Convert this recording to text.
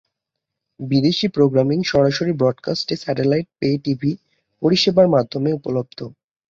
বিদেশী প্রোগ্রামিং সরাসরি broadcast satellite pay TV পরিষেবার মাধ্যমে উপলব্ধ।